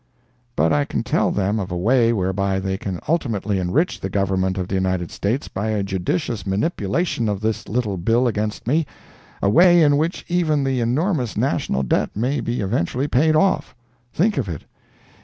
But I can tell them of a way whereby they can ultimately enrich the Government of the United States by a judicious manipulation of this little bill against me—a way in which even the enormous national debt may be eventually paid off! Think of it!